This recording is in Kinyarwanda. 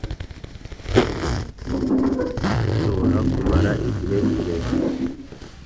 bushobora kumara igihe kirekire